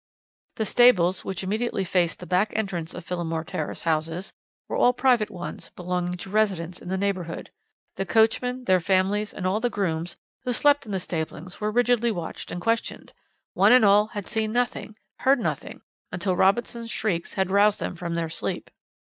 "The stables, which immediately faced the back entrance of the Phillimore Terrace houses, were all private ones belonging to residents in the neighbourhood. The coachmen, their families, and all the grooms who slept in the stablings were rigidly watched and questioned. One and all had seen nothing, heard nothing, until Robertson's shrieks had roused them from their sleep.